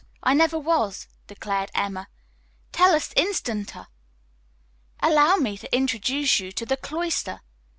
I never was," declared Emma. "Tell us instanter!" "Allow me to introduce you to the 'Cloister.'"